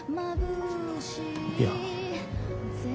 いや。